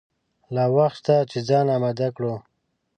لا وخت شته چې ځان آمده کړو.